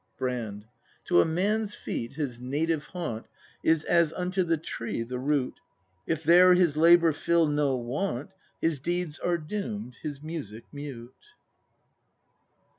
Brand. To a man's feet his native haunt Is as unto the tree the root. If there his labour fill no want His deeds are doomed, his music mute.